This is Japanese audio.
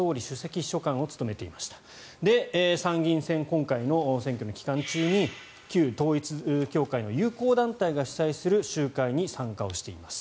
今回の選挙の期間中に旧統一教会の友好団体が主催する集会に参加をしています。